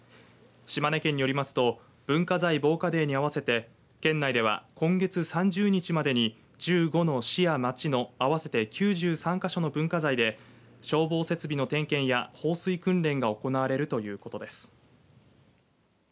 島根県によりますと文化財防火デーに合わせて県内では今月３０日までに１５の市や町の合わせて９３か所の文化財で消防設備の点検や放水訓練が行われるということです。